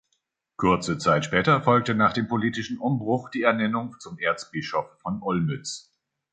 Kurze Zeit später folgte nach dem politischen Umbruch die Ernennung zum Erzbischof von Olmütz.